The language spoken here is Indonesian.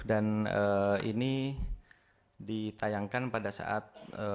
dan ini ditayangkan pada saat